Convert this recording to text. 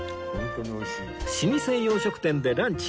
老舗洋食店でランチ！